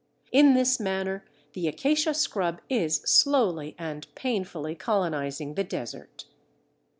In this manner the Acacia scrub is slowly and painfully colonizing the desert.